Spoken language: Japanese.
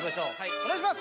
お願いします！